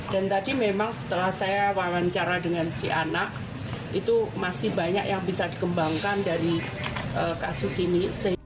dan tadi memang setelah saya wawancara dengan si anak itu masih banyak yang bisa dikembangkan dari kasus ini